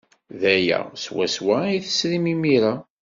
D aya swaswa ay tesrim imir-a.